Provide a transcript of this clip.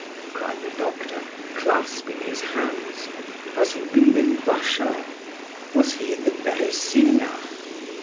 cried the doctor, clasping his hands. "Has he been in Russia? was he in the Beresina?"